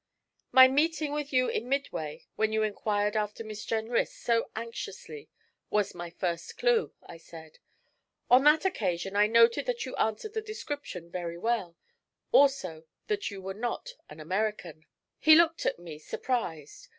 'My meeting with you in Midway, when you inquired after Miss Jenrys so anxiously, was my first clue,' I said. 'On that occasion I noted that you answered the description very well, also that you were not an American.' He looked at me surprised.